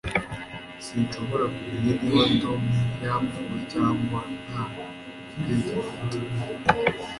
Sinshobora kumenya niba Tom yapfuye cyangwa nta ubwenge afite